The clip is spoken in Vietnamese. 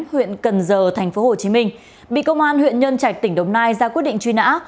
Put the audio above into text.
huyện cần giờ tp hcm bị công an huyện nhân trạch tỉnh đồng nai ra quyết định truy nã